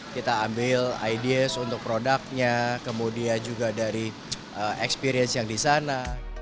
kita ambil ideas untuk produknya kemudian juga dari experience yang di sana